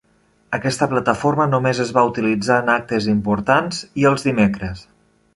Aquesta plataforma només es va utilitzar en actes importants i els dimecres.